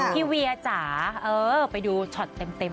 เวียจ๋าไปดูช็อตเต็ม